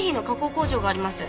工場があります。